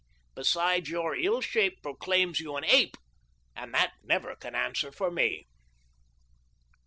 Besides your ill shape proclaims you an ape. And that never can answer for me."